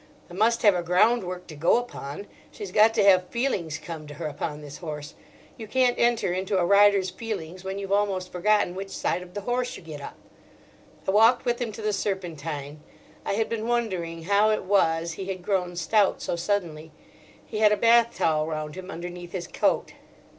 "I must have a groundwork to go upon. She's got to have feelings come to her upon this horse. You can't enter into a rider's feelings when you've almost forgotten which side of the horse you get up." I walked with him to the Serpentine. I had been wondering how it was he had grown stout so suddenly. He had a bath towel round him underneath his coat.